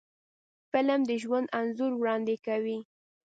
فلم د ژوند انځور وړاندې کوي